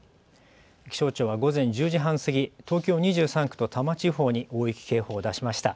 気象庁は午前１０時半過ぎ東京２３区と多摩地方に大雪警報を出しました。